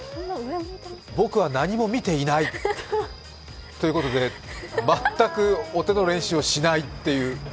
僕は何も見ていないということで、全くお手の練習をしないという。